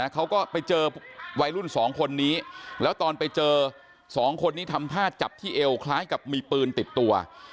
เขาก็ไปเจอวัยรุ่น๒คนนี้แล้วตอนไปเจอสองคนนี้ทำท่าจับที่เอวคล้ายกับมีปืนติดตัว